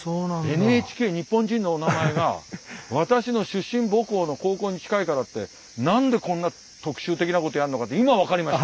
ＮＨＫ「日本人のおなまえ」が私の出身母校の高校に近いからって何でこんな特集的なことをやるのかって今分かりました。